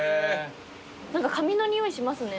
何か紙の匂いしますね。